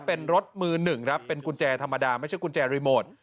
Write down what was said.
เป็นรถมือหนึ่งครับเป็นกุญแจธรรมดาไม่ใช่กุญแจรีโมท